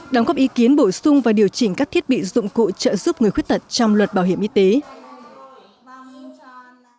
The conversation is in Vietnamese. đóng góp ý kiến bổ sung và điều chỉnh các thiết bị dụng cụ trợ giúp người khuyết tật trong luật bảo hiểm y tế